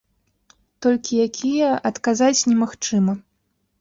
Толькі якія, адказаць немагчыма.